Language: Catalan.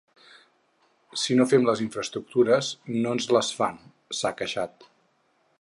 Si no fem les infraestructures no ens les fan, s’ha queixat.